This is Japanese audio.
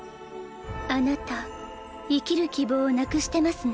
あなた生きる希望をなくしてますね